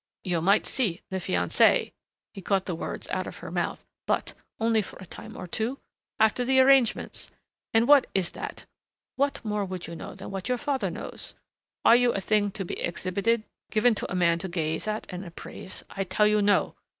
You might see the fiancé," he caught the words out of her mouth, "but only for a time or two after the arrangements and what is that? What more would you know than what your father knows? Are you a thing to be exhibited given to a man to gaze at and appraise? I tell you, no....